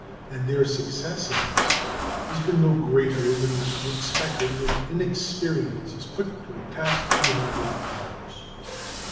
And their success in this has been no greater than might be expected, when inexperience is put to a task beyond its powers.